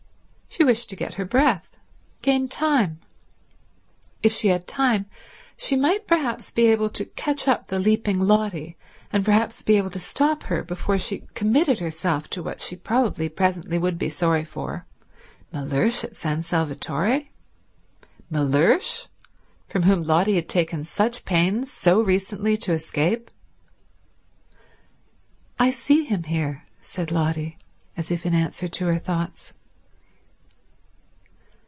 She wished to get her breath, gain time. If she had time she might perhaps be able to catch up the leaping Lotty, and perhaps be able to stop her before she committed herself to what she probably presently would be sorry for. Mellersh at San Salvatore? Mellersh, from whom Lotty had taken such pains so recently to escape? "I see him here," said Lotty, as if in answer to her thoughts.